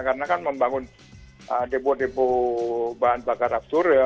karena kan membangun depo depo bahan bakar aftur ya